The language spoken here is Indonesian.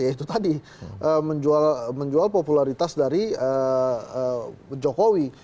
ya itu tadi menjual popularitas dari jokowi